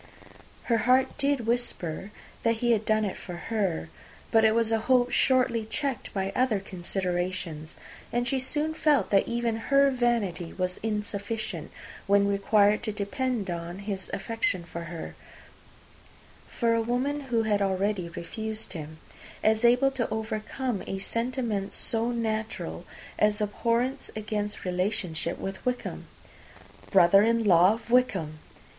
Her heart did whisper that he had done it for her. But it was a hope shortly checked by other considerations; and she soon felt that even her vanity was insufficient, when required to depend on his affection for her, for a woman who had already refused him, as able to overcome a sentiment so natural as abhorrence against relationship with Wickham. Brother in law of Wickham!